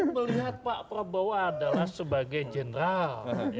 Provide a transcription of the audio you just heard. itu melihat pak prabowo adalah sebagai jeneral